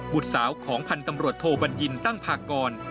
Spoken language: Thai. บุตรสาวของพันธ์ตำรวจโทบัญญินตั้งพากร